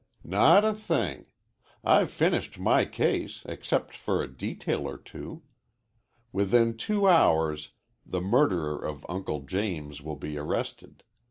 "Not a thing. I've finished my case, except for a detail or two. Within two hours the murderer of Uncle James will be arrested.